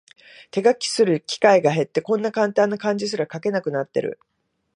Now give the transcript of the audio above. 手書きする機会が減って、こんなカンタンな漢字すら書けなくなってる